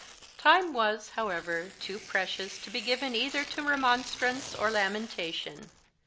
Time was, however, too precious to be given either to remonstrance or lamentation.